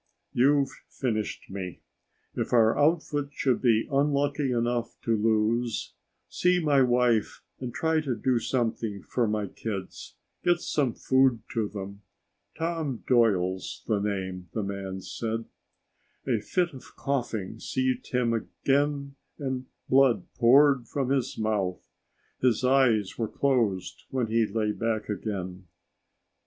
You've finished me. If our outfit should be unlucky enough to lose, see my wife and try to do something for my kids. Get some food to them. Tom Doyle's the name," the man said. A fit of coughing seized him again and blood poured from his mouth. His eyes were closed when he lay back again.